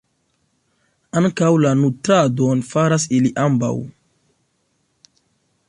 Ankaŭ la nutradon faras ili ambaŭ.